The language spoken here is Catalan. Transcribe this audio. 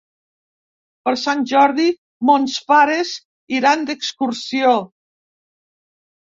Per Sant Jordi mons pares iran d'excursió.